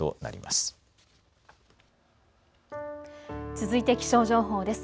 続いて気象情報です。